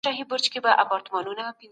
خدمات په پیسو سره پلورل کیږي.